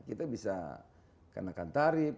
kita bisa kenakan tarif